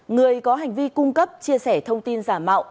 người có hành vi cung cấp chia sẻ thông tin giả mạo